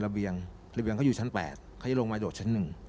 ละเบียงละเบียงเค้าอยู่ชั้น๘เค้าอยู่ลงมาโดดชั้น๑